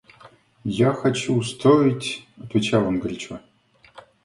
Я хочу устроить... — отвечал он горячо.